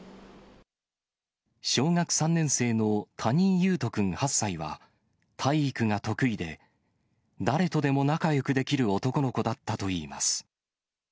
小学３年生の谷井勇斗君８歳は、体育が得意で、誰とでも仲よくできる男の子だったといいます。